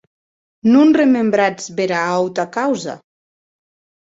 Non rebrembatz bèra auta causa?